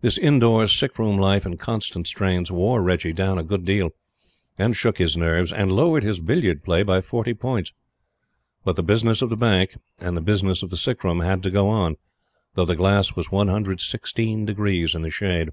This in door, sick room life and constant strains wore Reggie down a good deal, and shook his nerves, and lowered his billiard play by forty points. But the business of the Bank, and the business of the sick room, had to go on, though the glass was 116 degrees in the shade.